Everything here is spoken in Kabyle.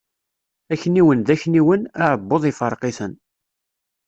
Akniwen d akniwen, aɛebbuḍ ifreq-iten.